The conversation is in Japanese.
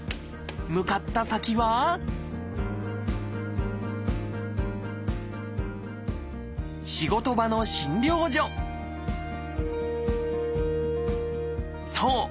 向かった先は仕事場の診療所そう！